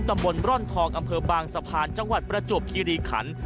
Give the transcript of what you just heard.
บนร่อนทองอำเภอบางสะพานจังหวัดประจวบคีรีขัน